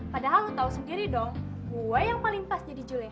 padahal lo tahu sendiri dong gue yang paling pas jadi juli